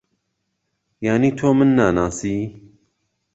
یانی تۆ من ناناسی؟